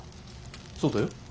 そうだよ。